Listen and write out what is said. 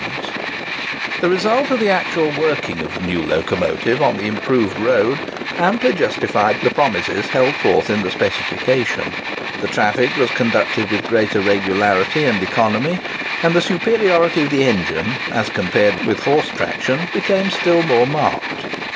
[Picture: Old Killingworth Locomotive, still in use] The result of the actual working of the new locomotive on the improved road amply justified the promises held forth in the specification. The traffic was conducted with greater regularity and economy, and the superiority of the engine, as compared with horse traction, became still more marked.